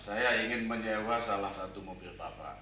saya ingin menjewa salah satu mobil papa